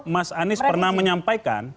mas anies pernah menyampaikan